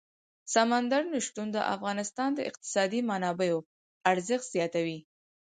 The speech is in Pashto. سمندر نه شتون د افغانستان د اقتصادي منابعو ارزښت زیاتوي.